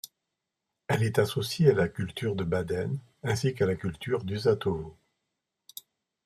Elle est associée à la culture de Baden ainsi qu'à la culture d'Usatovo.